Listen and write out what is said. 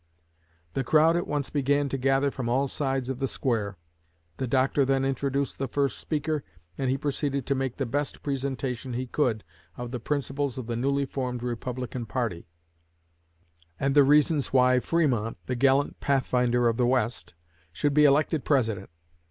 The crowd at once began to gather from all sides of the square. The Doctor then introduced the first speaker, and he proceeded to make the best presentation he could of the principles of the newly formed Republican party, and the reasons why Fremont, 'the gallant pathfinder of the West,' should be elected President.